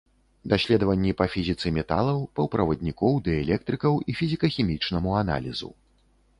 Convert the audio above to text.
Даследаванні па фізіцы металаў, паўправаднікоў, дыэлектрыкаў і фізіка-хімічнаму аналізу.